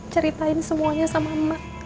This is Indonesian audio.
ceritain semuanya sama emak